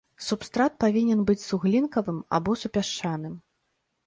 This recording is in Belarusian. Субстрат павінен быць суглінкавым або супясчаным.